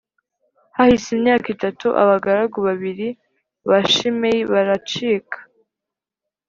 Hahise imyaka itatu, abagaragu babiri ba Shimeyi baracika